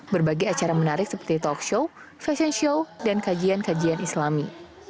berbagai acara menarik seperti talk show fashion show dan kajian kajian islami